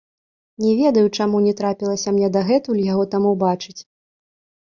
Не ведаю, чаму не трапілася мне дагэтуль яго там убачыць.